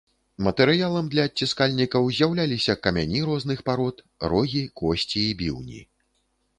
Матэрыялам для адціскальнікаў з'яўляліся камяні розных парод, рогі, косці і біўні.